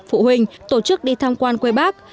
phụ huynh tổ chức đi thăm quan quê bác